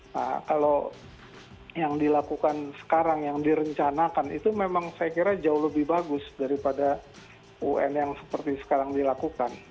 nah kalau yang dilakukan sekarang yang direncanakan itu memang saya kira jauh lebih bagus daripada un yang seperti sekarang dilakukan